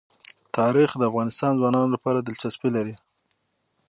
تاریخ د افغان ځوانانو لپاره دلچسپي لري.